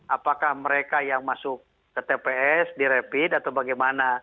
apakah mereka yang masuk ke tps di rapid atau bagaimana